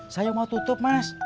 saya mau tutup mas